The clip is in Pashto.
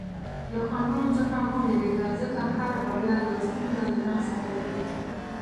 له خنډونو څخه مه ویریږه، ځکه هره بریا یوه ستونزه له ځان سره لري.